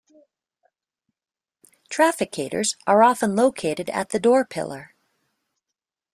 Trafficators are often located at the door pillar.